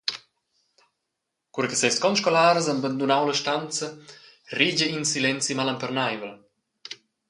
Cura che ses conscolars han bandunau la stanza, regia in silenzi malemperneivel.